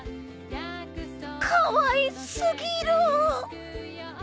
かわい過ぎる！